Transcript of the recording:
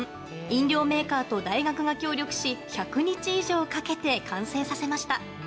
飲料メーカーと大学が協力し１００日以上かけて完成させました。